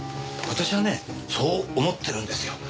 私はねそう思ってるんですよ。